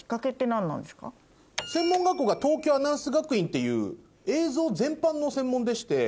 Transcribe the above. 専門学校が東京アナウンス学院っていう映像全般の専門でして。